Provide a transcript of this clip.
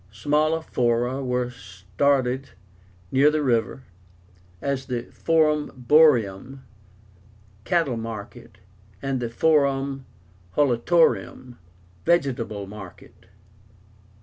Smaller Fora were started near the river, as the Forum Boarium (cattle market) and the Forum Holitorium (vegetable market).